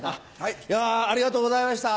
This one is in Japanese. いやありがとうございました